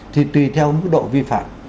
thì tùy theo mức độ vi phạm